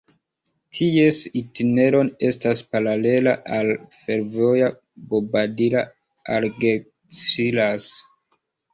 Ties itinero estas paralela al la fervojo Bobadilla-Algeciras.